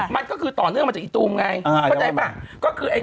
มันก็คือต่อเนื่องมาจากอีตูมไงเข้าใจป่ะก็คือไอ้